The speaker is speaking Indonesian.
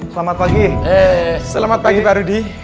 selamat pagi pak rudi